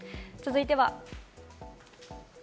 続いては。